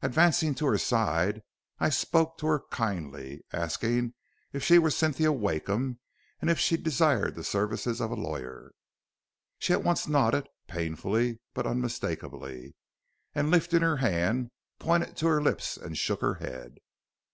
"Advancing to her side, I spoke to her kindly, asking if she were Cynthia Wakeham, and if she desired the services of a lawyer. "She at once nodded painfully but unmistakably, and, lifting her hand, pointed to her lips and shook her head.